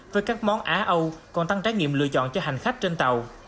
với các món á âu còn tăng trái nghiệm lựa chọn cho hành khách trên tàu